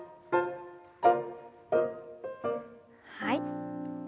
はい。